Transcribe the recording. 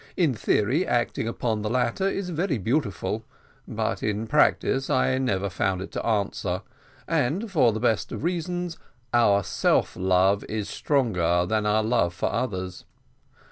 In theory, acting upon the latter is very beautiful; but in practice, I never found it to answer, and for the best of reasons, our self love is stronger than our love for others.